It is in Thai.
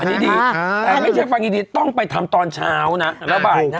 อันนี้ดีแต่ไม่ใช่ฟังอินดิตต้องไปทำตอนเช้านะแล้วบ่ายนะ